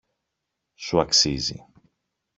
Σου αξίζει!